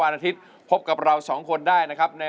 รายการต่อไปนี้เป็นรายการทั่วไปสามารถรับชมได้ทุกวัย